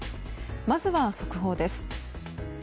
まずは速報です。